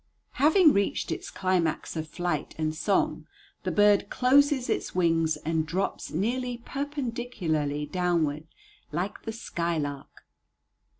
Having reached its climax of flight and song, the bird closes its wings and drops nearly perpendicularly downward like the skylark.